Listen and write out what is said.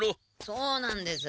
そうなんです。